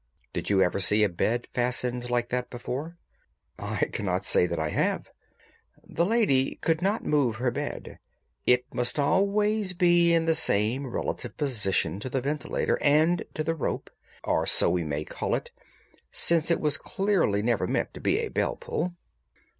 Did you ever see a bed fastened like that before?" "I cannot say that I have." "The lady could not move her bed. It must always be in the same relative position to the ventilator and to the rope—or so we may call it, since it was clearly never meant for a bell pull."